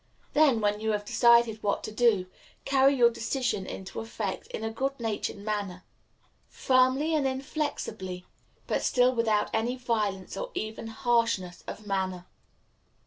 Then, when you have decided what to do, carry your decision into effect in a good natured manner firmly and inflexibly but still without any violence, or even harshness, of manner.